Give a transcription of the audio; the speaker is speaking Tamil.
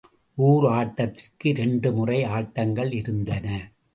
ஓர் ஆட்டத்திற்கு இரண்டு முறை ஆட்டங்கள் இருந்தன.